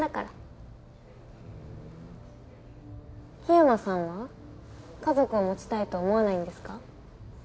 桧山さんは家族を持ちたいと思わないんですか？